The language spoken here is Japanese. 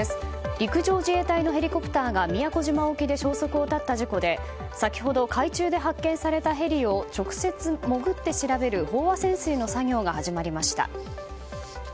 陸上自衛隊のヘリコプターが宮古島沖で消息を絶った事故で先ほど海中で発見されたヘリを直接潜って調べる飽和潜水の作業が始まりました。